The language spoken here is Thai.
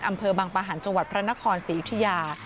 อำเภอบางประหารจังหวัดพระนครศรียุธิยา